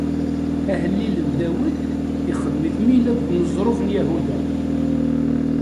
Ahellil n Dawed, ixedm-it mi yella deg uneẓruf n Yahuda.